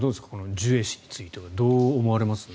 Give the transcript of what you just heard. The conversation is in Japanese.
ジュエ氏についてはどう思われますか。